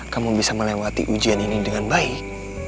kamu bisa melewati ujian ini dengan baik